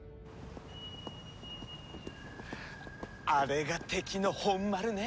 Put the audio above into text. あれが敵の本丸ね。